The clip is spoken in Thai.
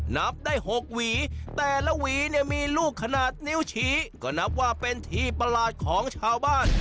นับได้๖หวีแต่ละหวีเนี่ยมีลูกขนาดนิ้วชี้ก็นับว่าเป็นที่ประหลาดของชาวบ้าน